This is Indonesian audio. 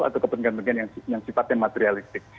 atau kepentingan kepentingan yang sifatnya materialistik